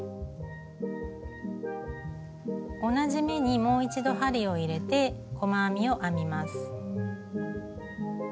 同じ目にもう一度針を入れて細編みを編みます。